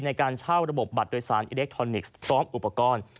ในการเช่าระบบบัตรโดยสารอิเล็กทรอนิกส์พร้อมอุปกรณ์